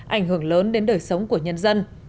ảnh hưởng lớn đến đời sống của nhân dân